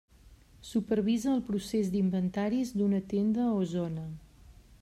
Supervisa el procés d'inventaris d'una tenda o zona.